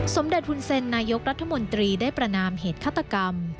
สมเด็จฮุนเซ็นนายกรัฐมนตรีได้ประนามเหตุฆาตกรรม